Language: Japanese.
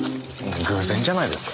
偶然じゃないですか？